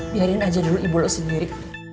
biarin aja dulu ibu lo sendiri